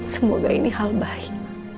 semoga ini hal baik